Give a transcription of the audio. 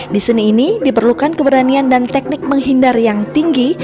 di seni ini diperlukan keberanian dan teknik menghindar yang tinggi